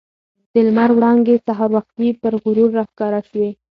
د لمر وړانګې سهار وختي پر غرو راښکاره شوې.